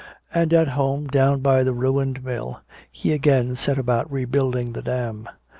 And at home, down by the ruined mill he again set about rebuilding the dam.